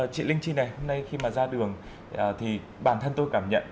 chị linh chi này hôm nay khi mà ra đường thì bản thân tôi cảm nhận